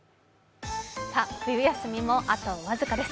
冬休みもあと僅かです。